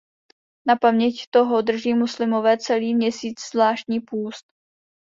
Na paměť toho drží muslimové celý měsíc zvláštní půst.